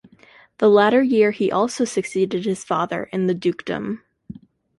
The latter year he also succeeded his father in the dukedom.